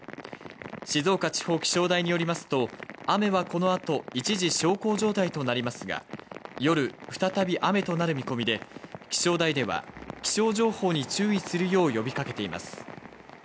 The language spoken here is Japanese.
静岡気象台によりますと、雨はこの後、一時小康状態となりますが、夜、再び雨となる見込みで、気象台では気象情報に注意するよう呼びかけています。